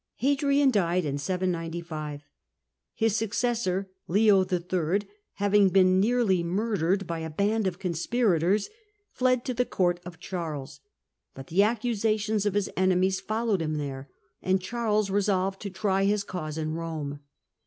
Hadrian died in 795. His suc cessor, Leo III., having been nearly murdered by a band of conspirators, fled to the court of Charles ; but the accusations of his enemies followed him there, and Charles resolved to try his cause in Rome.